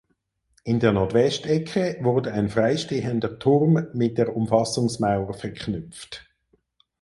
In der Nordwestecke wurde ein freistehender Turm mit der Umfassungsmauer verknüpft.